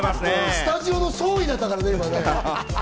スタジオの総意だったからね。